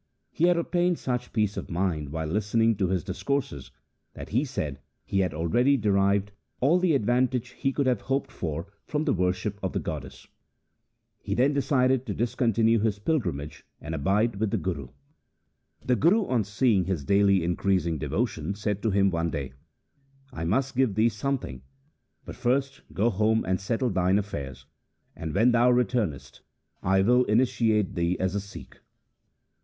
He had obtained such peace of mind while listening to his discourses, that he said he had already derived all the advantage iie could have hoped for from the worship of the goddess. He then decided to discon tinue his pilgrimage and abide with the Guru. The Guru, on seeing his daily increasing devotion, said to him one day, ' I must give thee some thing ; but first go home and settle thine affairs, and when thou returnest I will initiate thee as a Sikh.'